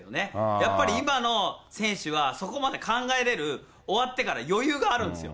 やっぱり今の選手は、そこまで考えれる、終わってから余裕があるんですよ。